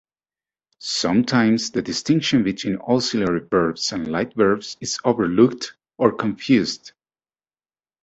Sometimes the distinction between auxiliary verbs and light verbs is overlooked or confused.